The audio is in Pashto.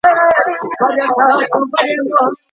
سالډانه څه ډول ناروغي ده؟